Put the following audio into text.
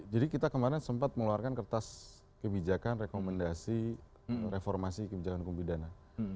jadi kita kemarin sempat mengeluarkan kertas kebijakan rekomendasi reformasi kebijakan hukum bidana